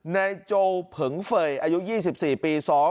นายโจเผิงเฟย์อายุ๒๔ปี